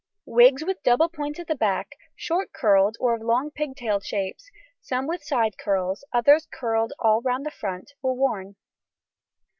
Wigs with double points at the back, short curled or of long pigtailed shapes, some with side curls, others curled all round the front, were worn.